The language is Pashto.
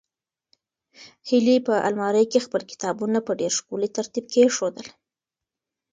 هیلې په المارۍ کې خپل کتابونه په ډېر ښکلي ترتیب کېښودل.